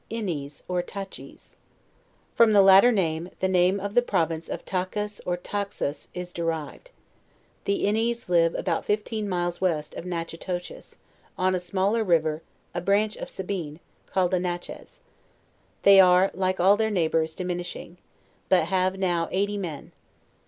INIES, OR TACHIES. From the latter name the name of the province of Tachus or Taxus is derived. The Inies live about fifteen miles west of Natchitoches, on a smaller river a branch of Sabine, called the Natches. T^by are, like all their neighbors, diminishing; but have now eighty men.